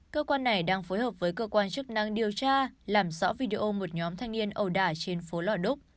cơ quan này đang phối hợp với cơ quan chức năng điều tra làm rõ video một nhóm thanh niên ầu đả trên phố lò đúc